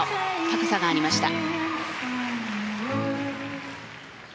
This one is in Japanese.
高さがありました。